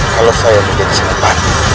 kalau saya menjadi senjata